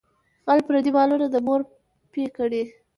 غل پردي مالونه د مور پۍ ګڼي.